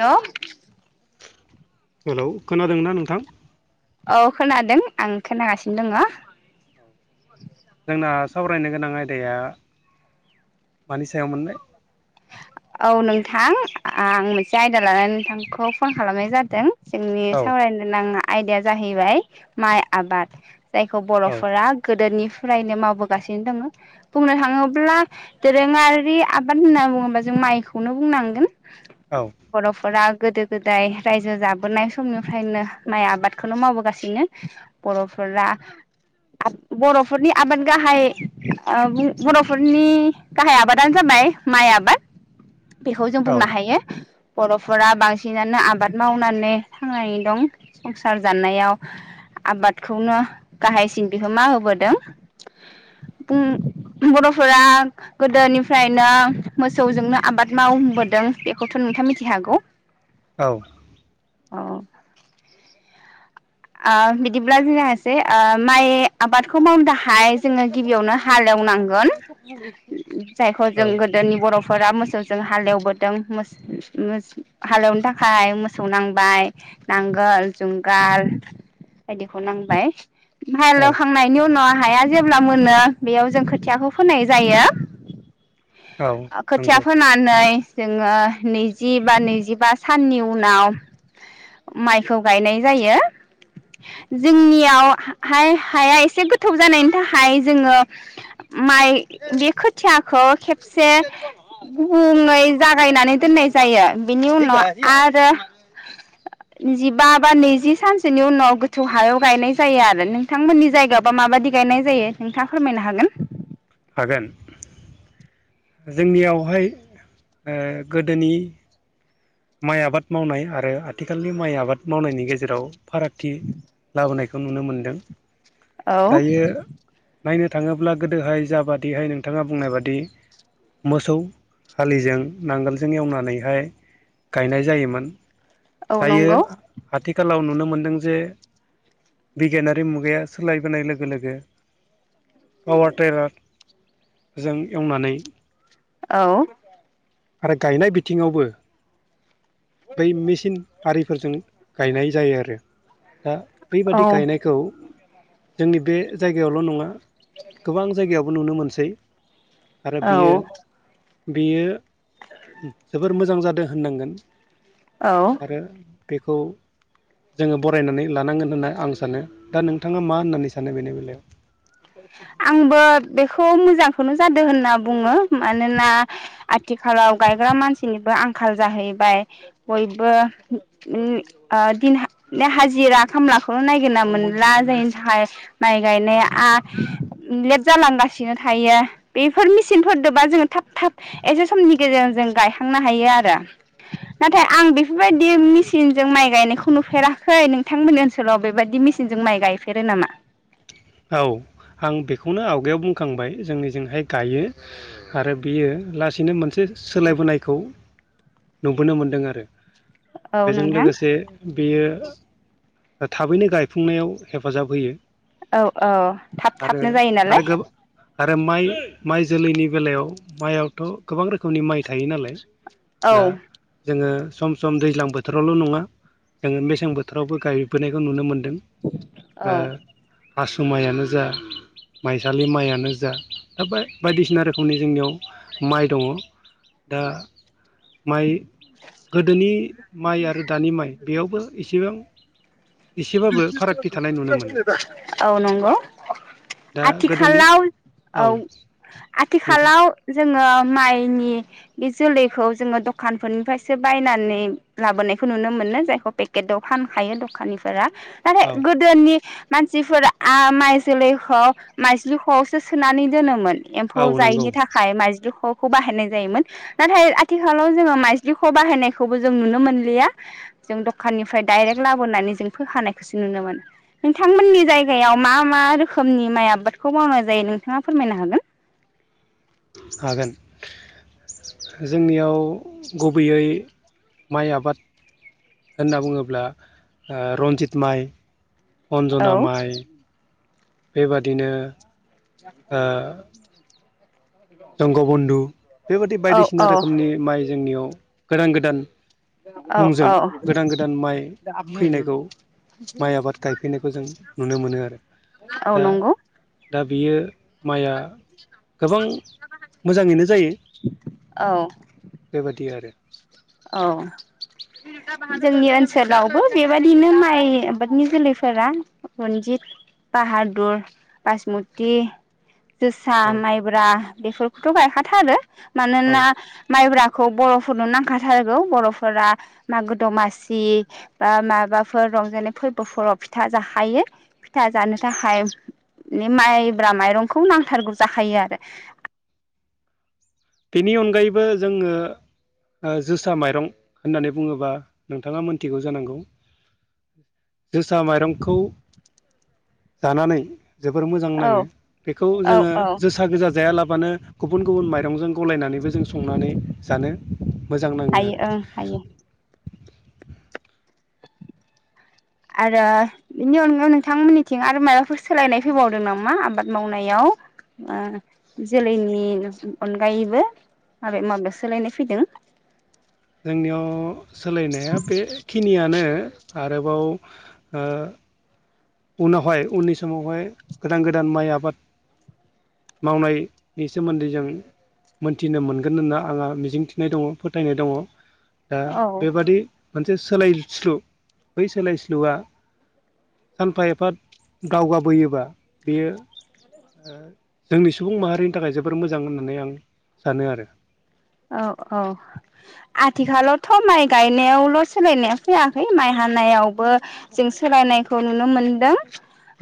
हेल hello खोनादोंना नोंथां? औ खोनादों आं खोनागासिनो दङ। जोंना सावरायनो गोनां आयदाया मानि सायाव मोनलाय? औ नोंथां आं मोनसे आयदा लानानै नोंथांखौ फन खालामनाय जादों। जोंनि औ सावरायनो नाङा आयदाया जाहैबाय माइ आबाद। जायखौ औ बर'फोरा गोदोनि फुरायनो मावबोगासिनो दङ बुंनो थाङोब्ला दोरोङारि आबाद होनना बुङोबा जों माइखौनो बुंनांगोन। औ बर'फोरा गोदो गोदाय रायजो जाबोनाय समनिफ्रायनो माइ आबादखौनो मावबोगासिनो बर'फोरा बर'फोरनि आबाद गाहाय ओ बर'फोरनि गाहाय आबादानो जाबाय माइ आबाद। बेखौ जों औ बुंनो हायो। बर'फोरा बांसिनानो आबाद मावनानै थांनानै दं संसार जानायाव आबादखौनो गाहायसिन बिहोमा होबोदों बुं बर'फोरा गोदोनिफ्रायनो मो मोसौजोंनो आबाद मावबोदों बेखौथ' नोंथाङा मिथि हागौ। औ। अ। ओ बिदिब्ला जायासै ओ माइ आबादखौ मावनो थाखाहाय जोङो गिबियावनो हालेवनांगोन । जायखौ औ जों गोदोनि बर' फोरा मोसौजों हालेवबोदों मोस मोस हालेवनो थाखाय मोसौ नांबाय नांगोल जुंगाल बायदिखौ नांबाय । हाल औ हेवखांनायनायनि उना हाया जेब्ला मोनो बेयाव जों खोथियाखौ फोनाय जायो। औ खोथिया नंगौ फोनानै जोङो नैजि बा नैजिबा साननि उनाव माइखौ गायनाय जायो। जोंनियाव हाय हाया एसे गोथौ जानायनि थाखाय जोङो माइ बे खोथियाखौ खेबसे गुबुङै जागायनानै दोननाय जायो बेनि उनाव आरो जिबा बा नैजि सान सोनि उनाव गोथौ हायाव गायनाय जायो आरो नोंथांमोननि जायगायावबा माबायदि गायनाय जायो नोंथाङा फोरमायनो हागोन? हागोन। जोंनियावहाय ओ गोदोनि माइ आबाद मावनाय आरो आथिखालनि माइ आबाद मावनायनि गेजेराव फारागथि लाबोनायखौ खौ नुनो मोन्दों। औ। नायनो थाङोब्ला गोदोहाय जाबादिहाय नोंथाङा बुंनाय बादि मोसौ हालिजों नांगोलजों एवनानैहाय गायनाय जायोमोन। औ दायो नंगौ आथिखालाव नुनो मो मोनदों जे बिगियानारि मुगाया सोलायबोनाय लोगो लोगो पावार टेलार जों एवनानै औ। आरो गायनाय बिथिङावबो बै मेचिन आरिफोरजों गायनाय जायो आरो। दा औ बैबादि गायनायखौ जोंनि बे जायगायावल' नङा गोबां जायगायावबो नुनो मोनसै आरो औ बियो बेयो जोबोर मोजां जादो होननांगोन औ आरो बेखौ जोङो बरायनानै लानांगोन होनना आं सानो दा नोंथाङा मा होननानै सानो बेनि बेलायाव आंबो बेखौ मोजांखौनो जादों होनना बुङो मानोना आथिखालाव गायग्रा मानसिनिबो आंखाल जाहैबाय बयबो दिन हाजिरा खामलाखौनो नायगिरना मोनला जायनि थाखाय माइ गायनाया लेट जालांगासिनो थायो बेफोर मेचिनफोरदोबा जोङो थाब थाब एसे समनि गेजेरजों जों गायखांनो हायो आरो नाथाय आं बेफोरबायदि मेचिनजों माइ गायनायखौ नुफेराखै नोंथांमोननि ओनसोलाव बेबायदि मेसिनजों माइ गायफेरो नामा? औ आं बेखौनो आवगायाव बुंखांबाय जोंनिजोंहाय गायो आरो बियो लासैनो मोनसे सोलायबोनायखौ नुबोनो मोनदों आरो। औ बेजों नोंथां लोगोसे बेयो थाबैनो गायफुंनायाव हेफाजाब होयो। औ औ थाब आरो थाबनो जायो आरो नालाय गोबां आरो माइ माइ जोलैनि बेलायाव माइयावथ' गोबां रोखोमनि माइ थायो नालाय। औ दा जोङो सम सम दैज्लां बोथोरावल' नङा जोङो मेसें बोथोरावबो गायबोनायखौ नुनो मोनदों । औ दों ओ आसासु माइयानो जा माइसालि माइयानो जा दा--दा बायदिसिना रोखोमनि जोंनियाव माइ दङ दा। माइ---गोदोनि माइ आरो दानि माइ बेयावबो इसेबां एसेबाबो फारागथि थानाय नुनो मोनो। औ नंगौ दा गोदोनि आथिखालाव औ नोंथां आथिखालाव जों जोङो माइनि बे जोलैखौ जोङो दखानफोरनिफ्रायसो बायनानै लाबोनायखौ नुनो मोनो जायखौ पेकेटआव फानखायो दखाननिफ्राय। [inaudible] होआरे औ गोदोनि हो मानसिफोरा आ माइ जोलैखौ माइजलिखौसो सोनानै दोनोमोन। औ एम्फौ नंगौ जायिनि थाखाय माइजलिखौ खौ बाहायनाय जायोमोन हो नाथाय आथिखालाव जोङो माइजलिखौ बाहायनायखौबो जों नुनो मोनलिया जों दखाननिफ्राय डाइरेक्ट लाबोनानै जों फोखानायखौसो नुनो--मोन नोंथांमोननि जायगायाव मा मा रोखोमनि माइ आबादखौ मावनाय जायो नोंथाङा फोरमायनो हागोन। हागोन हो हो जोंनियाव गुबैयै माइ आबाद होनना बुङोब्ला रन्जित माइ। अ'न्जना औ माइ। बेबादिनो जाखद जंगबन्धु---बेबादि औ बायदिसिना औ रोखोमनि माइ जोंनियाव गोदान गोदान। औ मुंजों औ गोदान गोदान माइ फैनायखौ माइ आबाद गायफैनायखौ जों नुनो मोनो आरो औ दा नंगौ दा बियो माइया गोबां मोजाङैनो जायो औ बेबायदि। बि आरो औ जोंनि ओनसोलावबो बेबायाददिनो माइ आबादनि जोलैफोरा रनजित बाहादुर बाइसमुति। जोसा औ माइब्रा बेफोरखौथ' गायखाथारो । हो औ मानोना माइब्रा खौ बर'फोरनो नांखाथा थारगौ बर'फोरहा मागो दमासि ओम माबाफोर रंजानाय फोरबोफोराव फिथा जाखायो फिथा जानो थाखाय माइब्रा माइरंखौ नांथारगौ जाखायो आरो। बेनि अनगायैबो जोङो ओ जोसा माइरं होननानै बुङोबा नोंथाङा मोनथिगौ जानांगौ जोसा माइरंखौ जानानै जोबोर मोजां औ नाङो बेखौ औ जोङो औ जोसा गोजा जायाला मानो गुबुन गुबुन माइरंजों गलायनानैबो जों संनानै जानो मोजां नाङो हायो आरो ओं हायो आरो बिनि अनगायै नोंथांमोननिथिं आरो माबाफोर सोलायनाय फैबावदों नामा आबाद मावनायाव ओ जोलैनि अनगायैबो माबे माबायाव सोलायनाय फैदों? जोंनियाव सोलायनाया बेखिनियानो। आरोबाव ओ उनावहाय उननि समावहाय गोदान गोदान माइ आबाद मावनायनि सोमोन्दै जों मोनथिनो मोनगोन होनना आंहा मिजिंथिनाय दङ फोथायनाय दङ। दा औ बेबादि मोनसे सोलायस्लु बै सोलायस्लुआ सानफा एफा दावगाबोयोबा बेयो ओ जोंनि सुबुं माहारिनि थाखाय जोबोर मोजां होननानै आं सानो आरो। औ औ आथिखालावथ' माइ गायनायावल' सोलायनाया फैयाखै माइ हानायावबो जों सोलायनायखौ नुनो मोनदों।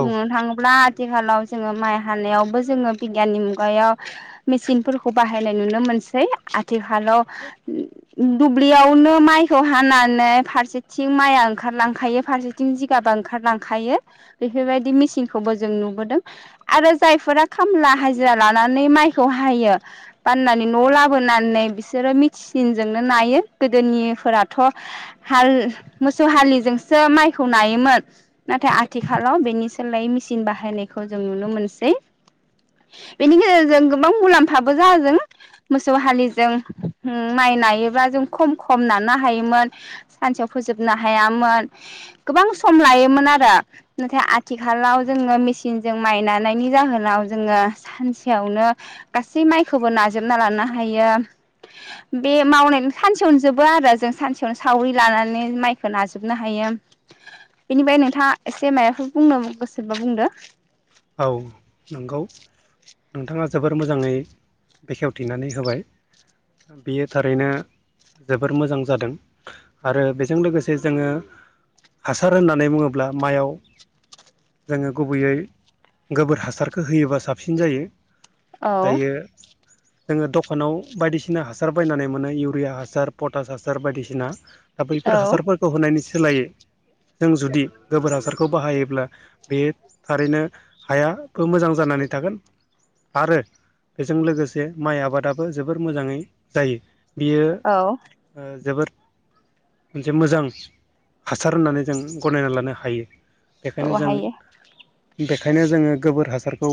बुनो थाङोब्ला आथिखालाव जोङो माइ हानायावबो जोङो बिगियाननि मुगायाव मेचिनफोरखौ बाहायनाय नुनो मोनसै। आथिखालाव दुब्लियावनो माइखौ हानानै फारसेथिं माइआ ओंखारलांखायो फारसेथिं जिगाबा ओंखारलांखायो बेफोरबायदि मेचिनखौबो जों नुबोदों आरो जायफोरा खामला हाजिरा लानानै माइखौ हायो फाननानै न' लाबो होनानै बिसोरो मिचनजोंनो नायो गोदोनिफोराथ' हाल मोसौ हलिजोंसो माइखौ नायोमोन नाथाय आथिखालाव बेनि सोलायै मेचन बाहायनायखौ जों नुनो मोनसै बेनि गेजेरजों गोबां मुलाम्फाबो जादों। मोसौ हालिजों माइ नायोब्ला जों खम खम नानो हायोमोन सानसेयाव फोजोबनो हायामोन गोबां सम लायोमोन आरो नाथाय आथिखालाव जोङो मेचिनजों माइ नानायनि जाहोनाव जोङो सानसेयावनो गासै माइखौबो नाजोब जोबना लानो हायो बे मावनाय सानसेयावनो जोबो आरो जों सानसेयावनो सावरि लानानै माइखौ नाजोबनो हायो बेनिफ्राय नोंथाङा एसे माबाफोर बुंनो गोसोबा बुंदो। औ नंगौ नोंथाङा जोबोर मोजाङै बेखेवथिनानै होबाय बियो थारैनो जोबोर मोजां जादों आरो बेजों लोगोसे जोङो हासार होननानै बुङोब्ला माइयाव जोङो गुबैयै गोबोर हासारखौ होयोबा साबसिन जायो। औ दायो जोङो दखानाव बायदिसिना हासार बायनानै मोनो इउरिया हासार पटास हासार बायदिसिना। दा बैफोर औ हासारफोरखौ होनायनि सि सोलायो। जों जुदि गोबोर हासारखौ बाहायोब्ला बे थारैनो हायाबो मोजां जानानै थागोन आरो बेजों लोगोसे माइ आबादाबो जोबोर मोजाङै जायो। बियो औ जोबोद मोनसे मोजां हासार होननानै जों गनायना लानो हायो बेखायनो जों बाहायो ओंखायनो जोङो गोबोर हासारखौ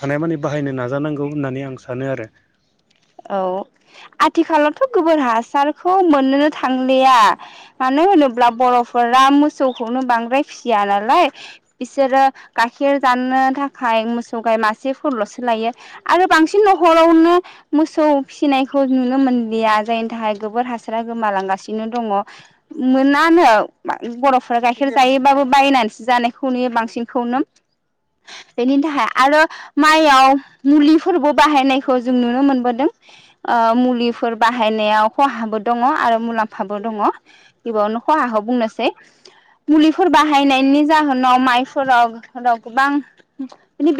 हानायमानि बाहायनो नाजानांगौ होननानै आं सानो आरो। औ आथिखालावथ' गोबोर हासारखौ मोननोनो थांलिया मानो होनोब्ला बर'फोरा मोसौखौनो बांद्राय फिसिया नालाय बिसोरो गाइखेर जानो थाखाय मोसौ गाय मासेफोरल'सो लायो आरो बांसिन न'खरावनो मोसौ फिसिनायखौ नुनो मोनलिया जायनि थाखाय गोबोर हासारा गोमालांगासिनो दङ मोनानो बर'फोरा गाइखेर जायोबाबो बायनानैसो जानायखौ नुयो बांसिनखौनो बेनि थाखाय आरो माइयाव मुलिफोरबो बाहायनायखौ जों नुनो मोनो दों मुलिफोर बाहायनायाव खहाबो दं आरो मुलाम्फाबो दं बेयावनो खहाखौ बुंनोसै मुलिफोर बाहायनायनि जाहोनाव माइफोराव गोबां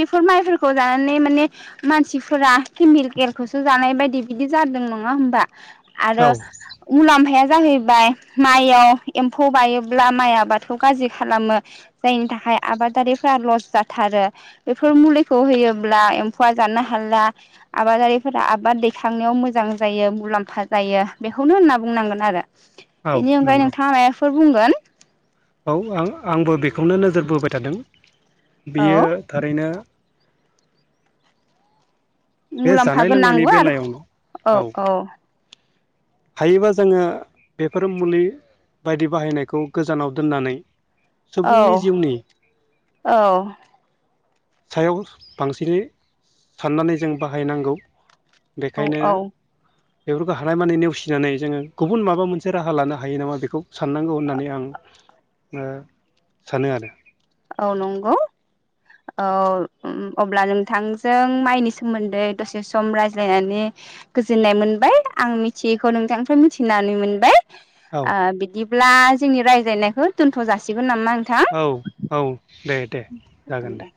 बेफोर माइफोरखौ जानानै माने मानसिफोरा केन्द खौसो जानाय बायदि बिदि जादों नङा होमबा आरो औ मुलाम्फाया जाहैबाय माइयाव एम्फौ बायोब्ला माइ आबादखौ गाज्रि खालामो जायनि थाखाय आबादारिफा लस जाथारो बेफोर मुलिखौ होयोब्ला एम्फौआ जानो हाला आबादारि फोरा आबाद दैखांनायाव मोजां जायो मुलाम्फा जायो बेखौनो होनना बुंनांगोन आरो औ बेनि अनगायै नंगौ नोंथाङा माबाफोर बुंगोन? [inaudible] औ आं आंबो बेखौनो नोजोर बोबाय थादों औ बेयो थारैनो बे मुलाम्फा जानाय लोंनायनि गोननांबो आरो बेलायावनो औ औ हायोबा जोङो बेफोर मुलि बायदि बाहायनायखौ गोजानाव दोननानै सुबुंनि जिउनि औ औ सायाव बांसिनै साननानै जों बाहायनांगौ औ बेखायनो औ बेफोरखौ हानाय मानि नेवसि नानै जोङो गुबुन माबा मोनसे राहा लानो हायो नामा बेखौ साननांगौ होननानै आं सानो आरो। औ नंगौ औ अब्ला नोंथांजों माइनि सोमोन्दै दसे सम रायज्लायनानै गोजोननाय मोनबाय आं मिथियैखौ नोंथांनिफ्राय मिथिनानै मोनबाय औ आ बिदि ब्ला जोंनि रायज्लायनायखौ दोनथ जासिग नामा नोंथां? औ औ दे दे जागोन दे।